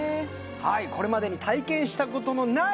これまでに体験したことのない